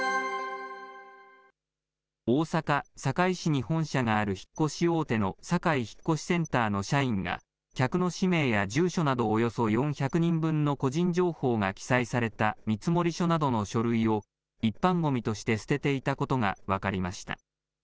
大阪・堺市に本社がある引っ越し大手のサカイ引越センターの社員が、客の氏名や住所などおよそ４００人分の個人情報が記載された見積書などの書類を、一般ごみとして捨てていたことが分かりました。